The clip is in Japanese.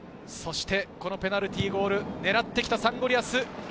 ペナルティーゴールを狙ってきた、サンゴリアス。